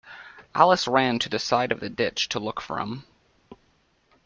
Alice ran to the side of the ditch to look for him.